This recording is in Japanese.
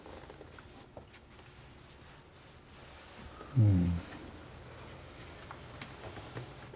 うん。